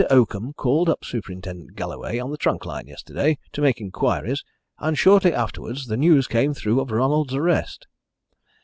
Oakham called up Superintendent Galloway on the trunk line yesterday, to make inquiries, and shortly afterwards the news came through of Ronald's arrest.